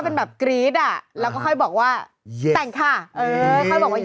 เป็นแบบกรี๊ดอ่ะแล้วก็ค่อยบอกว่าแต่งค่ะเออค่อยบอกว่า